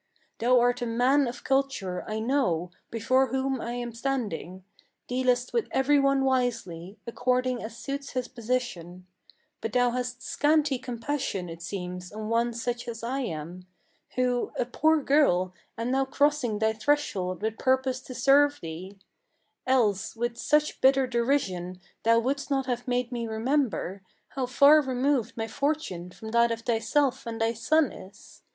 Thou art a man of culture, I know, before whom I am standing; Dealest with every one wisely, according as suits his position; But thou hast scanty compassion, it seems, on one such as I am, Who, a poor girl, am now crossing thy threshold with purpose to serve thee; Else, with such bitter derision, thou wouldst not have made me remember How far removed my fortune from that of thyself and thy son is.